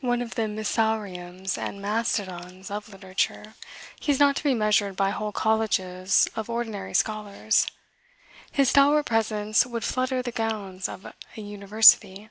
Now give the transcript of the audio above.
One of the missouriums and mastodons of literature, he is not to be measured by whole colleges of ordinary scholars. His stalwart presence would flutter the gowns of an university.